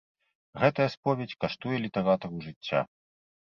Гэтая споведзь каштуе літаратару жыцця.